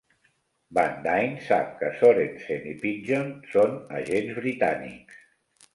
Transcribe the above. Van Dyne sap que Sorensen i Pidgeon són agents britànics.